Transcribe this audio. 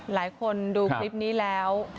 หลายคนดูคลิปนี้แล้ว